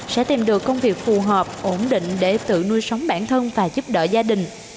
sẽ tìm được công việc phù hợp ổn định để tự nuôi sống bản thân và giúp đỡ gia đình